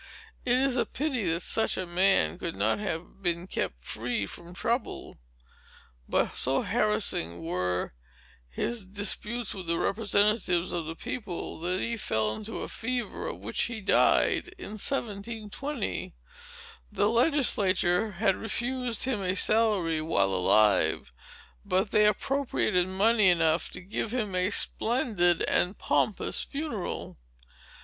It is a pity that such a man could not have been kept free from trouble. But so harassing were his disputes with the representatives of the people, that he fell into a fever, of which he died, in 1720. The legislature had refused him a salary, while alive; but they appropriated money enough to give him a splendid and pompous funeral."